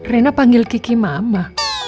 rena panggil kiki mama